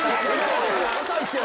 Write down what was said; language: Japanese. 遅いっすよ